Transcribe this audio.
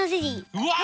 うわ！